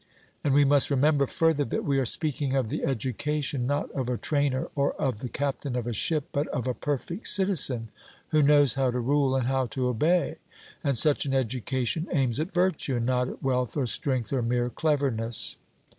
And we must remember further that we are speaking of the education, not of a trainer, or of the captain of a ship, but of a perfect citizen who knows how to rule and how to obey; and such an education aims at virtue, and not at wealth or strength or mere cleverness.